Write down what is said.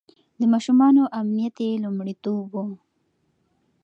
د ماشومانو امنيت يې لومړيتوب و.